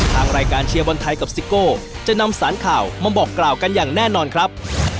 ทางรายการเชียร์บอลไทยกับซิโก้จะนำสารข่าวมาบอกกล่าวกันอย่างแน่นอนครับ